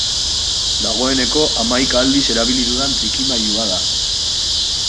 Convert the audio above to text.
Dagoeneko hamaika aldiz erabili dudan trikimailua da.